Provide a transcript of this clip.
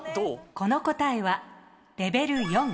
この答えはレベル４。